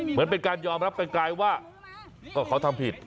เหมือนเป็นการยอมรับไกลว่าก็เขาทำผิด